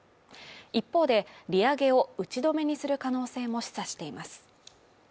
一方で、利上げを打ち止めにする可能性も示唆しています。